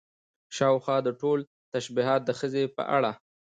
شاوخوا دا ټول تشبيهات د ښځې په اړه